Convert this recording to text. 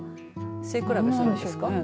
背比べするんですか。